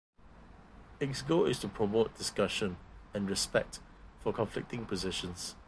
Its goal is to promote discussion and respect for conflicting positions.